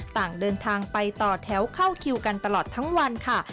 ต่างเดินทางไปต่อแถวเข้าคิวกันตลอดทั้งวันค่ะ